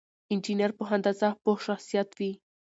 انجينر په هندسه پوه شخصيت وي.